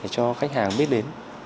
cho khách hàng biết đến